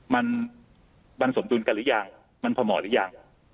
มันมันสมดุลกันหรือยังมันพอเหมาะหรือยัง